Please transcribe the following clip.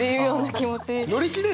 乗り切れる？